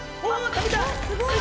食べた！